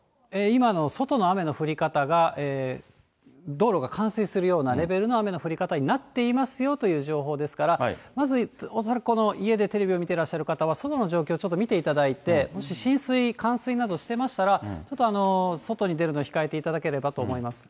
今の外の雨の降り方が、道路が冠水するようなレベルの雨の降り方になっていますよという情報ですから、まず、恐らく家でテレビを見てらっしゃる方は、外の状況ちょっと見ていただきまして、もし浸水、冠水などしてましたら、ちょっと外に出るのを控えていただければと思います。